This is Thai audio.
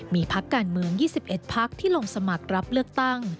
มีพักการเมือง๒๑พักที่ลงสมัครรับเลือกตั้ง